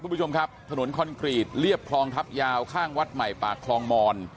คุณผู้ชมครับถนนคอนกรีตเรียบคลองทัพยาวข้างวัดใหม่ปากคลองมอน